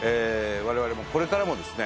我々もこれからもですね